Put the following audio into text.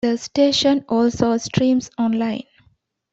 The station also streams on line.